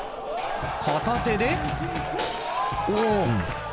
片手でおお！